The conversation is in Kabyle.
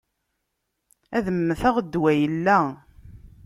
Ad mmteɣ, ddwa illa.